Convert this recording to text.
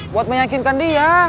buat meyakinkan dia